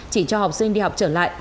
chỉ cho học sinh đi học trở lại